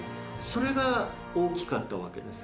それが大きかったわけです。